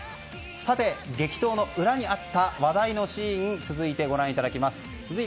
さて、激闘の裏にあった話題のシーン続いてご覧いただきます。